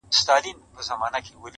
در بخښلی په ازل کي یې قدرت دئ!!